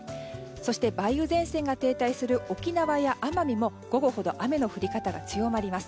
そして梅雨前線が停滞する沖縄や奄美も午後ほど雨の降り方が強まります。